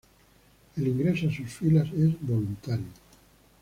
El ingreso a sus filas es voluntario.